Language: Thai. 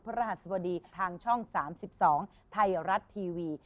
รหัสบดีทางช่อง๓๒ไทยรัฐทีวี